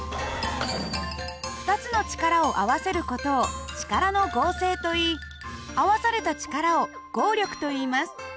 ２つの力を合わせる事を力の合成といい合わされた力を合力といいます。